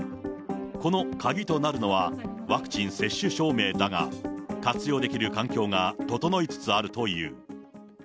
この鍵となるのは、ワクチン接種証明だが、活用できる環境が整いつつあるという。